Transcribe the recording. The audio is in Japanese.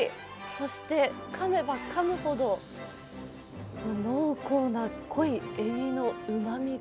そして噛めば噛むほど濃厚な濃いエビのうまみ。